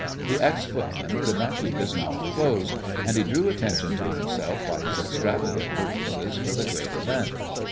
The ex footman could not keep his mouth closed, and he drew attention to himself by his extravagant purchases for the great event.